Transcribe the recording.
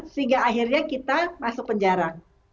sehingga akhirnya kita masuk penjara